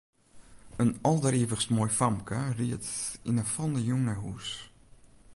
In alderivichst moai famke ried yn 'e fallende jûn nei hûs.